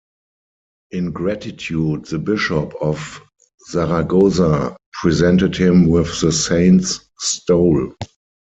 In gratitude the bishop of Zaragoza presented him with the saint's stole.